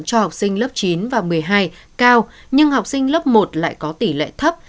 cho học sinh lớp chín và một mươi hai cao nhưng học sinh lớp một lại có tỷ lệ thấp